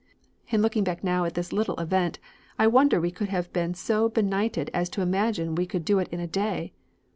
"In looking back now at this little event, I wonder we could have been so benighted as to imagine we could do it in a day!